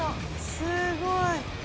すごい。